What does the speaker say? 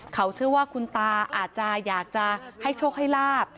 เขาเชื่อว่าคุณตาอาจจะอยากจะให้โชคให้ลาบ